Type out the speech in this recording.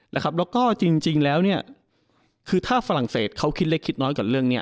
แล้วก็จริงแล้วเนี่ยคือถ้าฝรั่งเศสเขาคิดเล็กคิดน้อยกับเรื่องนี้